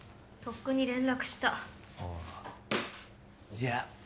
とっくに連絡したああじゃ